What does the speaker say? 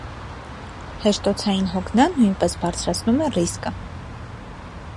Հեշտոցային հոգնան նույնպես բարձրացնում է ռիսկը։